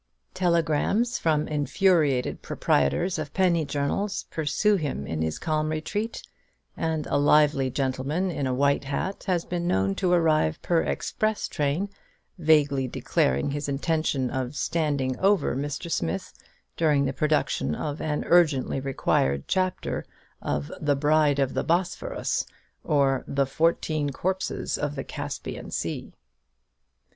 Telegrams from infuriated proprietors of penny journals pursue him in his calm retreat, and a lively gentleman in a white hat has been known to arrive per express train, vaguely declaring his intention of "standing over" Mr. Smith during the production of an urgently required chapter of "The Bride of the Bosphorus; or, the Fourteen Corpses of the Caspian Sea."